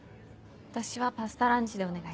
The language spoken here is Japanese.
私はパスタランチでお願いします。